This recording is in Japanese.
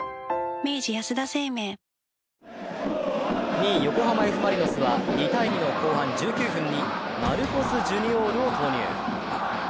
２位、横浜Ｆ・マリノスは２−２の後半、１９分にマルコス・ジュニオールを投入。